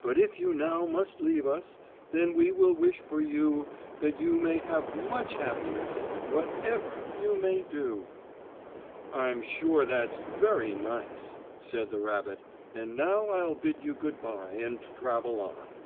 "But if you now must leave us, Then we will wish for you, That you may have much happiness Whatever you may do." "I'm sure that's very nice," said the rabbit, "and now I'll bid you good bye and travel on."